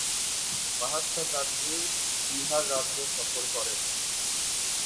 মহাত্মা গান্ধী বিহার রাজ্য সফর করেন।